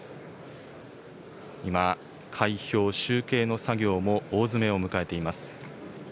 今、開票・集計の作業も大詰めを迎えています。